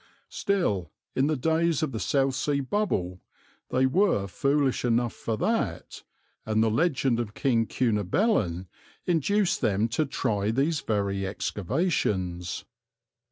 Still, in the days of the South Sea Bubble they were foolish enough for that, and the legend of King Cunobelin induced them to try these very excavations.